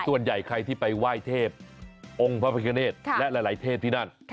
ส่วนใหญ่ใครที่ไปไหว้เทพองค์พระพิคเนธและหลายเทพที่นั่น